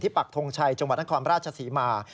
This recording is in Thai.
ที่ปักทงชัยจังหวัดนักความราชสีมา